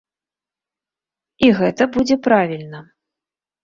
І гэта будзе правільна.